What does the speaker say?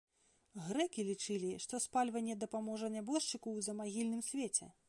Грэкі лічылі, што спальванне дапаможа нябожчыку ў замагільным свеце.